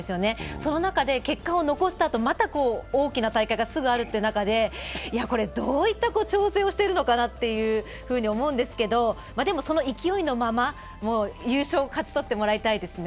その中で結果を残したあと、また大きな大会がすぐある中でどういった調整をしているのかと思うんですけどでもその勢いのまま、優勝を勝ち取ってもらいたいですね。